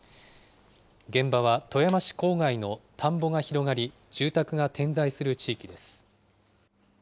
現場は富山市郊外の田んぼが広がり、住宅が点在する地域です。